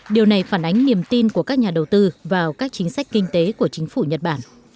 điều này phản ánh niềm tin của các nhà đầu tư vào các chính sách kinh tế của chính phủ nhật bản